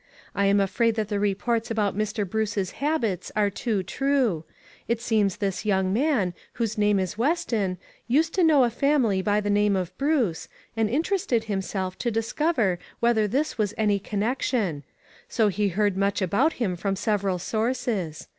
I am afraid that the reports about Mr. Bruce's habits are too true. It seems this young man, whose name is Weston, used to know a family by the name of Bruce, and interested himself to discover whether this was any connection ; so he heard much about him from several sources.